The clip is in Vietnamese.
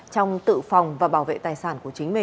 trong tự phòng và bảo vệ tài sản